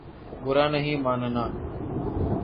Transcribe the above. برا نہیں ماننا